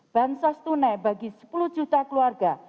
bantuan sosial tunai bagi sepuluh juta keluarga